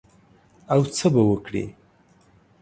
او څه به وکړې؟